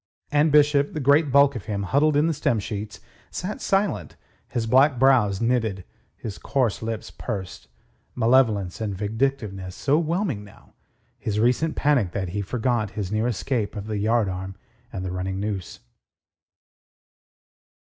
And Bishop, the great bulk of him huddled in the stern sheets, sat silent, his black brows knitted, his coarse lips pursed, malevolence and vindictiveness so whelming now his recent panic that he forgot his near escape of the yardarm and the running noose.